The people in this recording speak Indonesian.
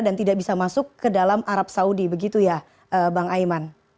dan tidak bisa masuk ke dalam arab saudi begitu ya bang aiman